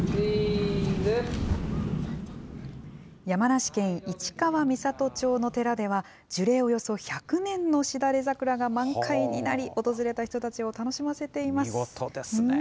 山梨県市川三郷町の寺では、樹齢およそ１００年のしだれ桜が満開になり、訪れた人たちを楽しませています。